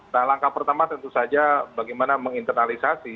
nah langkah pertama tentu saja bagaimana menginternalisasi